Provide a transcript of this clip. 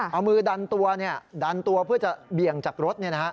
เอามือดันตัวดันตัวเพื่อจะเบี่ยงจากรถ